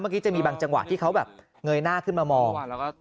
เมื่อกี้จะมีบางจังหวะที่เขาแบบเงยหน้าขึ้นมามอง